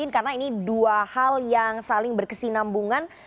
karena ini dua hal yang saling berkesinambungan